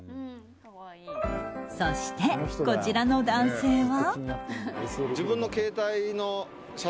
そして、こちらの男性は。